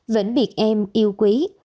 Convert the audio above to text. vĩnh biệt em yêu quý